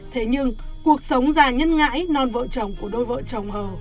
thế nhưng cuộc sống già nhân ngãi non vợ chồng của đôi vợ chồng hờ